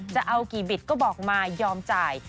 จะเอากี่บิตก็บอกมายอมจ่าย